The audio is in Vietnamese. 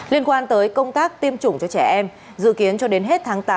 liên quan tới công tác tiêm chủng cho trẻ em dự kiến cho đến hết tháng tám